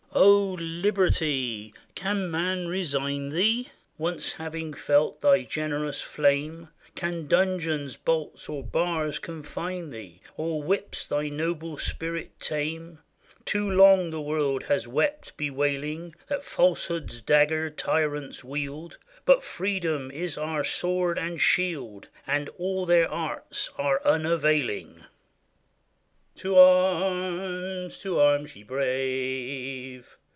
O Liberty ! can man resign thee, Once having felt thy generous flame? Can dungeons, bolts, or bars confine thee. Or whips thy noble spirit tame? Too long the world has wept, bewailing That falsehood's dagger tyrants wield, But freedom is our sword and shield, And all their arts are unavailing. To arms ! to arms ! ye brave